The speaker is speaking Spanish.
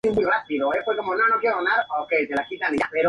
Había además menos oportunidades de toparse con fuerzas enemigas.